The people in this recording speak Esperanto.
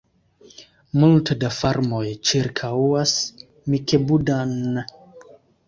Multe da farmoj ĉirkaŭas Mikebuda-n.